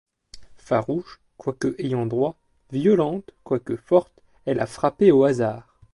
Farouche, quoique ayant droit, violente, quoique forte, elle a frappé au hasard.